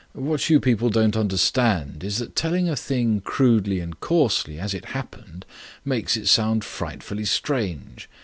What you people don't understand is that telling a thing crudely and coarsely as it happened makes it sound frightfully strange.